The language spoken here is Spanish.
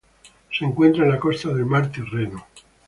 Se encuentra en la costa del mar Tirreno.